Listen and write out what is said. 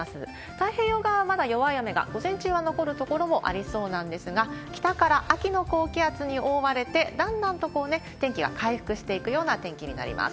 太平洋側、まだ弱い雨が午前中は残る所もありそうなんですが、北から秋の高気圧に覆われてだんだんと天気が回復していくような天気になります。